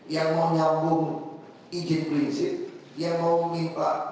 yang mau nyambung izin prinsip